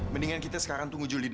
mendingan kita sekarang tunggu juli dua